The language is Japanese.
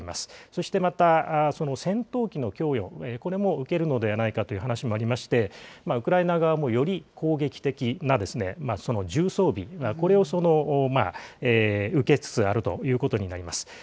そしてまた、戦闘機の供与、これも受けるのではないかという話もありまして、ウクライナ側もより攻撃的な重装備、これを受けつつあるということになります。